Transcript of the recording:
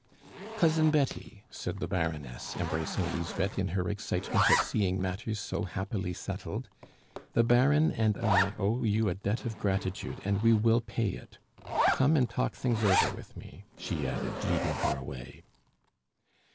"Cousin Betty," said the Baroness, embracing Lisbeth in her excitement at seeing matters so happily settled, "the Baron and I owe you a debt of gratitude, and we will pay it. Come and talk things over with me," she added, leading her away.